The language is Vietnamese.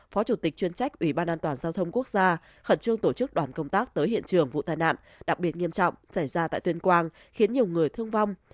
phó chủ tịch chuyên trách ủy ban an toàn giao thông quốc gia khẩn trương tổ chức đoàn công tác tới hiện trường vụ tai nạn đặc biệt nghiêm trọng xảy ra tại tuyên quang khiến nhiều người thương vong